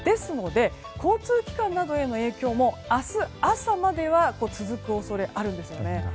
交通機関などへの影響も明日朝までは続く恐れがあるんですね。